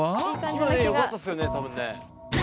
今ねよかったっすよね多分ね。